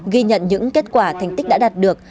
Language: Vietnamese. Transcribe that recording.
ghi nhận những kết quả thành tích đã đạt được